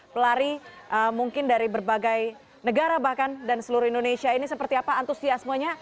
pelari mungkin dari berbagai negara bahkan dan seluruh indonesia ini seperti apa antusiasmenya